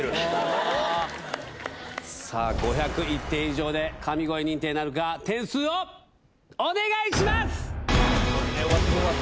さあ５０１点以上で神声認定なるか、点数をお願いします。